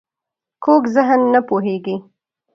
کوږ ذهن نه پوهېږي